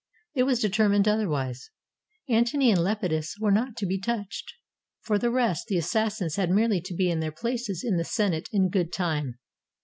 It was determined otherwise. Antony and Lepidus were not to be touched. For the rest, the assassins had merely to be in their places in the Senate in good time.